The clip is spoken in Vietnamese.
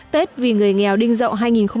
tết vì người nghèo đinh dậu hai nghìn một mươi bảy